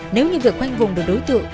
nếu như việc quanh vùng được đối tượng